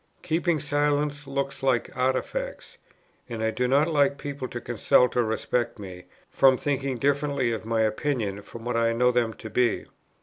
Keeping silence looks like artifice. And I do not like people to consult or respect me, from thinking differently of my opinions from what I know them to be.